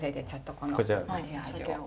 こちらを。